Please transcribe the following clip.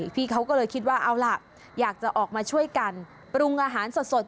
พี่เขาก็เลยคิดว่าเอาล่ะอยากจะออกมาช่วยกันปรุงอาหารสด